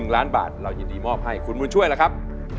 ๑ล้านบาทเรายินดีมอบให้คุณบุญช่วยล่ะครับ